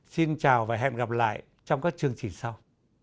xin chào và hẹn gặp lại trong các chương trình sau